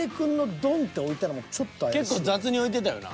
あと結構雑に置いてたよな。